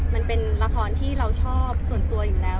มันเป็นละครที่เราชอบส่วนตัวอยู่แล้ว